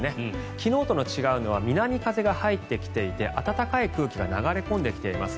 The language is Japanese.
昨日と違うのは南風が入ってきていて暖かい空気が流れ込んできています。